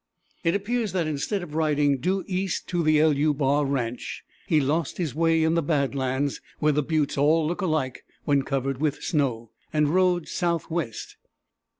It appears that instead of riding due east to the =LU= bar ranch, he lost his way in the bad lands, where the buttes all look alike when covered with snow, and rode southwest.